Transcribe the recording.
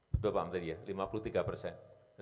betul pak menteri ya lima puluh tiga persen